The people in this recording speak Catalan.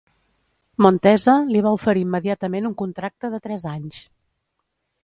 Montesa li va oferir immediatament un contracte de tres anys.